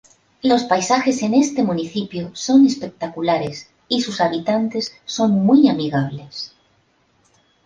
Los paisajes en este municipio son espectaculares y sus habitantes son muy amigables.